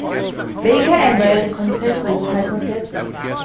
Baker and Ryholt contest this hypothesis.